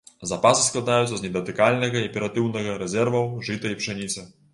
Запасы складаюцца з недатыкальнага і аператыўнага рэзерваў жыта і пшаніцы.